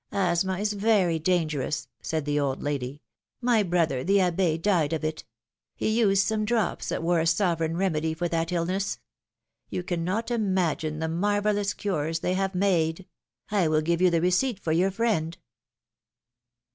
^^ ^^Asthma is very dangerous,^^ said the old lady ; my brother, the Abbe, died of it; he used some drops that were a sovereign remedy for that illness. You cannot imagine the marvellous cures they have made ; I will give you the receipt for your friend.